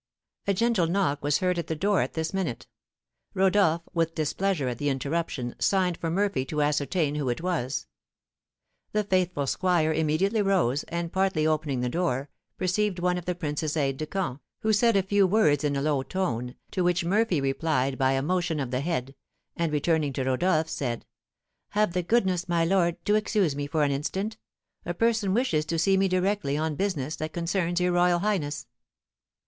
A gentle knock was heard at the door at this minute. Rodolph, with displeasure at the interruption, signed for Murphy to ascertain who it was. The faithful squire immediately rose, and, partly opening the door, perceived one of the prince's aides de camp, who said a few words in a low tone, to which Murphy replied by a motion of the head, and, returning to Rodolph, said, "Have the goodness, my lord, to excuse me for an instant! A person wishes to see me directly on business that concerns your royal highness."